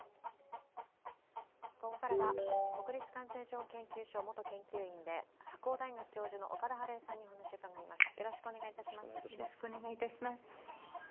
ここからは国立感染症研究所元研究員で白鴎大学教授の岡田晴恵さんにお話を伺います。